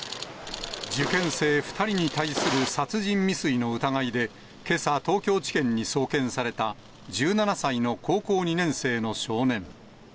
受験生２人に対する殺人未遂の疑いで、けさ、東京地検に送検された、１７歳の高校２年生の少年。